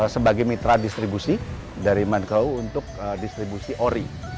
sebagai mitra distribusi dari menko untuk distribusi ori